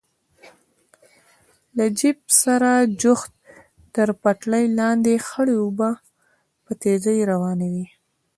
له جېپ سره جوخت تر پټلۍ لاندې خړې اوبه په تېزۍ روانې وې.